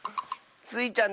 スイちゃん